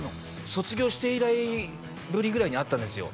卒業して以来ぶりぐらいに会ったんですよ